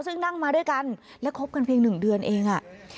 ซึ่งนั่งมาด้วยกันและคบกันเพียงหนึ่งเดือนเอง